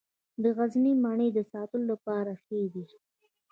د غزني مڼې د ساتلو لپاره ښې دي.